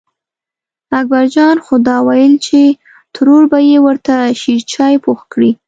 اکبر جان خو دا وېل چې ترور به یې ورته شېرچای پوخ کړي.